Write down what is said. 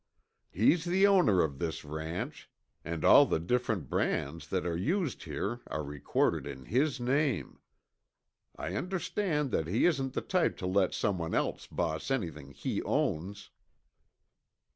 "He's the owner of this ranch, and all the different brands that are used here are recorded in his name. I understand that he isn't the type to let someone else boss anything he owns."